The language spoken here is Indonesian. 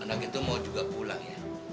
anak itu mau juga pulang ya